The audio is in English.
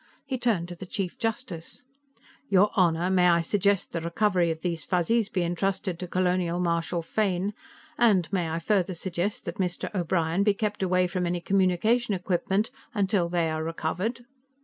He turned to the Chief Justice. "Your Honor, may I suggest the recovery of these Fuzzies be entrusted to Colonial Marshal Fane, and may I further suggest that Mr. O'Brien be kept away from any communication equipment until they are recovered."